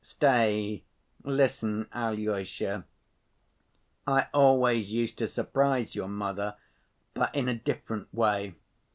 Stay ... listen, Alyosha, I always used to surprise your mother, but in a different way.